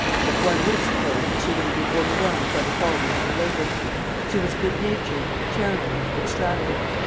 One would have supposed that she would be overwhelmed by the fall we have related. She was good natured, charitable, and extravagant.